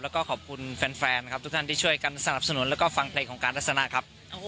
แล้วก็ขอบคุณแฟนนะครับทุกท่านที่ช่วยกันสนับสนุนแล้วก็ฟังเพลงของการลักษณะครับ